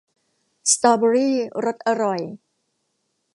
สตรอเบอร์รี่รสอร่อย !